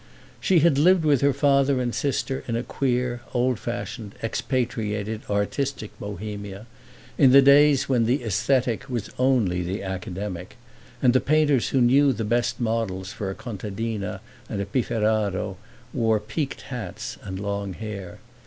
She had lived with her father and sister in a queer old fashioned, expatriated, artistic Bohemia, in the days when the aesthetic was only the academic and the painters who knew the best models for a contadina and pifferaro wore peaked hats and long hair.